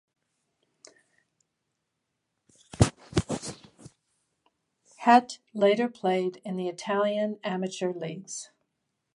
Het later played in the Italian amateur leagues.